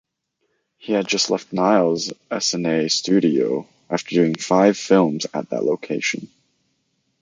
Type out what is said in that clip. He had just left Niles Essanay Studio after doing five films at that location.